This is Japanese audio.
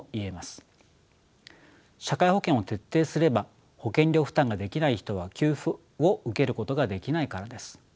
社会保険を徹底すれば保険料負担ができない人は給付を受けることができないからです。